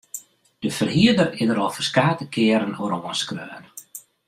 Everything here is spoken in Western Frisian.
De ferhierder is der al ferskate kearen oer oanskreaun.